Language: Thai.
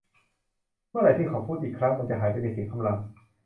เมื่อไหร่ที่เขาพูดอีกครั้ง มันจะหายไปในเสียงคำราม